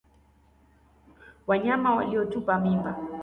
Wanyama waliotupa mimba